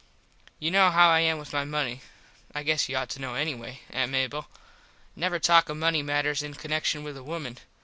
You know how I am with my money. I guess you ought to anyway. Eh, Mable? Never talk of money matters in connexun with a woman.